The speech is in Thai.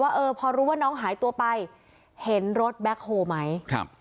เออพอรู้ว่าน้องหายตัวไปเห็นรถแบ็คโฮลไหมครับ